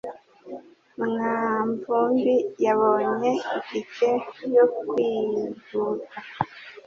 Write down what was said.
mwanvumbi yabonye itike yo kwihuta